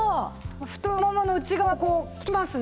太ももの内側ここ効きますね。